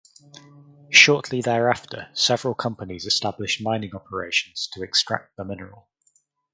Shortly thereafter several companies established mining operations to extract the mineral.